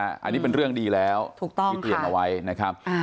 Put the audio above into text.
อันนี้เป็นเรื่องดีแล้วที่เตียงเอาไว้นะครับ